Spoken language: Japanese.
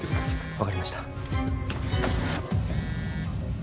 分かりました